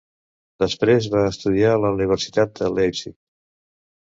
Després va estudiar a la Universitat de Leipzig.